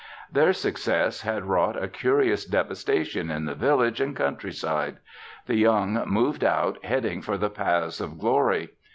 Their success had wrought a curious devastation in the village and countryside. The young moved out heading for the paths of glory.